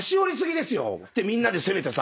でみんなで責めてさ。